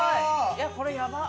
いやこれやばっ！